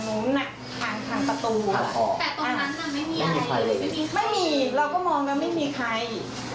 ไม่มีเราก็มองแล้วไม่มีใคร